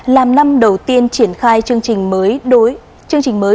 làm năm đầu tiên triển khai chương trình mới